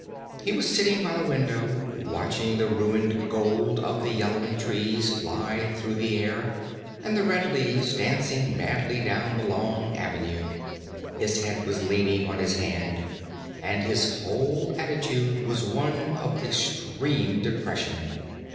He was sitting by the window, watching the ruined gold of the yellowing trees fly through the air, and the red leaves dancing madly down the long avenue. His head was leaning on his hand, and his whole attitude was one of extreme depression.